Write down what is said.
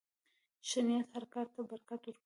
ښه نیت هر کار ته برکت ورکوي.